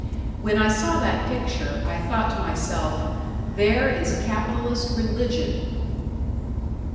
When I saw that picture, I thought to myself #there# is capitalist Religion!